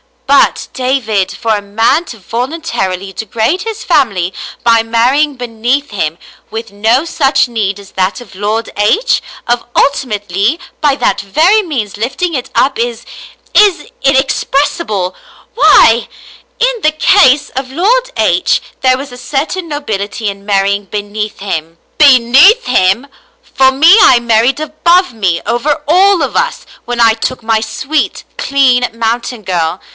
But, David, for a man to voluntarily degrade his family by marrying beneath him, with no such need as that of Lord H , of ulti mately by that very means lifting it up is — is — inexpres sible — why —! In the case of Lord H there was a certain nobility in marrying beneath him." " Beneath him ! For me, I married above me, over all of us, when I took my sweet, clean mountain girl.